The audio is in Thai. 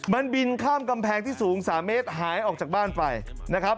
มันบินข้ามกำแพงที่สูง๓เมตรหายออกจากบ้านไปนะครับ